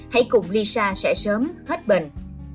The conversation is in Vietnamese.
hãy cùng lisa sẽ sớm hết bệnh